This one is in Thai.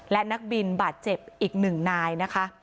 และนักบินบาดเจ็บอีกหนึ่งนายนะคะ